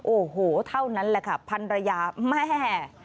โอ้โหเท่านั้นแหละค่ะพันรยาแม่